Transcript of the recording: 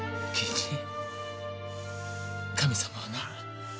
市神様はな